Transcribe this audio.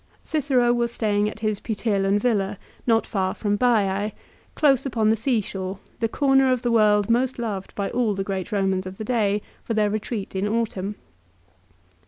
Cicero was staying at his Puteolan villa, not far from Baise, close upon the sea shore, the corner of the world most loved by all the great Eomans of the day for their retreat in autumn.